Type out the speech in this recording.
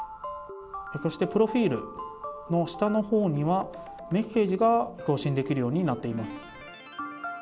そしてプロフィールの下のほうにはメッセージが送信できるようになっています。